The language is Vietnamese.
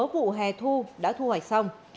lúa vụ hè thu đã thu hoạch xong